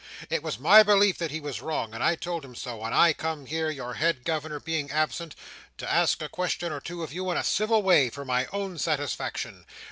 It was my belief that he was wrong, and I told him so, and I come here, your head governor being absent, to ask a question or two of you in a civil way, for my own satisfaction.